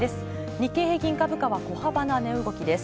日経平均株価は小幅な値動きです。